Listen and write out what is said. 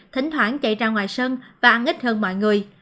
thỉnh thoảng chạy ra ngoài sân và ăn ít hơn mọi người